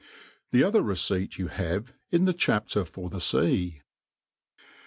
The other receipt yo|i have in the chapter f6r the Sea.